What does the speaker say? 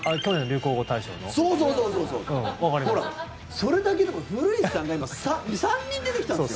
それだけでも古市さんが今、２３人出てきたんですよ。